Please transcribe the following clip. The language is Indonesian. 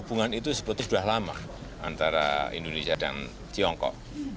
hubungan itu sebetulnya sudah lama antara indonesia dan tiongkok